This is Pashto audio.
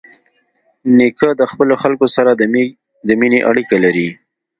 نیکه د خپلو خلکو سره د مینې اړیکه لري.